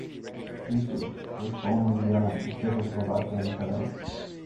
Siebel was born in Vienna to Czechoslovakian parents.